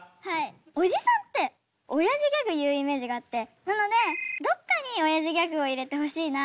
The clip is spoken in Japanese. おじさんっておやじギャグ言うイメージがあってなのでどっかにおやじギャグを入れてほしいなと思って。